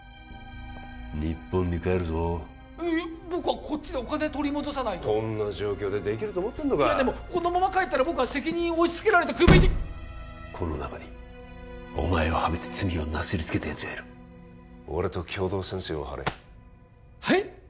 日本に帰るぞいや僕はこっちでお金取り戻さないとこんな状況でできると思ってんのかいやでもこのまま帰ったら僕は責任を押しつけられてクビにこの中にお前をハメて罪をなすりつけたやつがいる俺と共同戦線を張れはい？